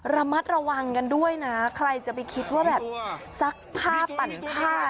ระมัดระวังกันด้วยนะใครจะไปคิดว่าแบบซักผ้าปั่นผ้า